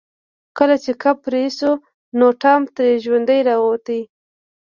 کله چې کب پرې شو نو ټام ترې ژوندی راووت.